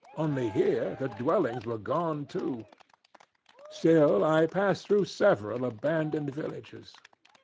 Only here the dwellings were gone too. Still I passed through several abandoned villages.